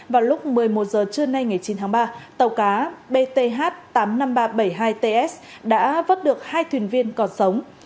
vào lúc một mươi một h trưa nay ngày chín tháng ba tàu cá bth tám mươi năm nghìn ba trăm bảy mươi hai ts đã vớt được hai thuyền viên còn sống